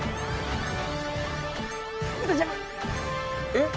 えっ？